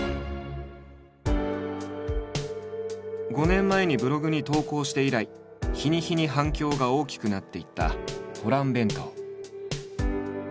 ５年前にブログに投稿して以来日に日に反響が大きくなっていったホラン弁当。